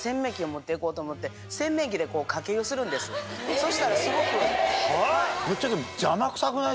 そしたらすごく。